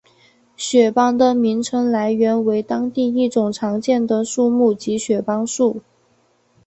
雪邦的名称来源为当地一种常见的树木即雪邦树。